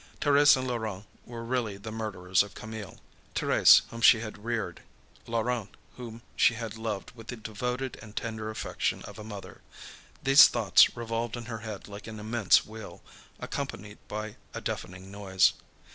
Thérèse and Laurent were really the murderers of Camille: Thérèse whom she had reared, Laurent whom she had loved with the devoted and tender affection of a mother. These thoughts revolved in her head like an immense wheel, accompanied by a deafening noise.